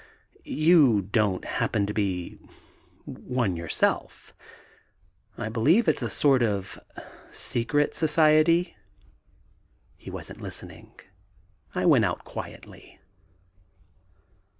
"You don't happen to be one yourself? I believe it's a sort of secret society." He wasn't listening. I went out quietly.